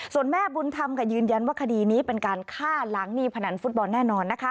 ส่วนแม่บุญทำก็ยืนยันว่าคดีนี้ค้าร้างหนีบพนันฟุตบอลแน่นอน